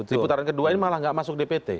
di putaran kedua ini malah gak masuk dpt